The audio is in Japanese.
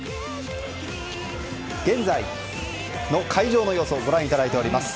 現在の会場の様子をご覧いただいています。